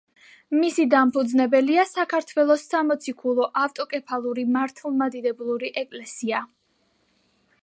მისი დამფუძნებელია საქართველოს სამოციქულო ავტოკეფალური მართლმადიდებელი ეკლესია.